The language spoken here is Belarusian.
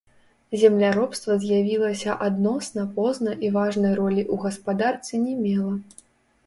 Земляробства з'явілася адносна позна і важнай ролі ў гаспадарцы не мела.